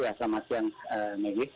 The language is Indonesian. ya selamat siang megi